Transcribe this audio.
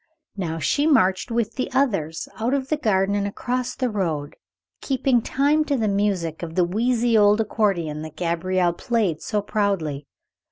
Now she marched with the others, out of the garden and across the road, keeping time to the music of the wheezy old accordion that Gabriel played so proudly.